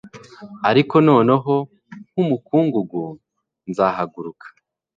Ariko nanone nkumukungugu nzahaguruka